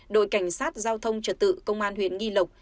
đội cảnh sát giao thông trật tự công an huyện nghi lộc